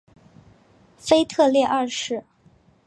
腓特烈二世。